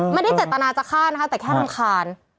ไม่ได้เจตนาจะฆ่านะคะแต่แค่รำคาญ